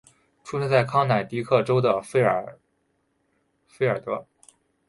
出生在康乃狄克州的费尔菲尔德。